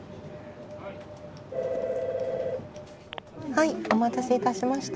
☎はいお待たせいたしました。